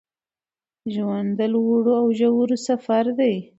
ژوند د لوړو او ژورو سفر دی